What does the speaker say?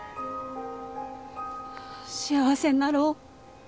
幸せになろう。